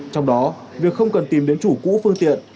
trong đó việc không cần tìm đến chủ cũ phương tiện